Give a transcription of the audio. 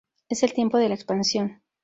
Es el tiempo de la expansión.